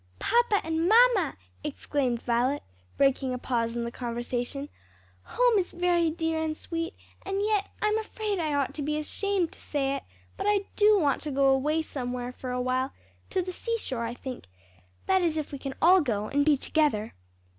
"Papa and mamma!" exclaimed Violet, breaking a pause in the conversation, "home is very dear and sweet, and yet I'm afraid I ought to be ashamed to say it, but I do want to go away somewhere for awhile, to the seashore I think; that is if we can all go and be together."